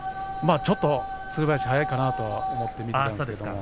ちょっと、つる林早いかなと思って見ていました。